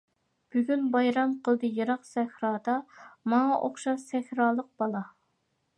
بۈگۈن، بايرام قىلدى يىراق سەھرادا، ماڭا ئوخشاش سەھرالىق بالا.